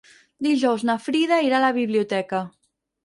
Dijous na Frida irà a la biblioteca.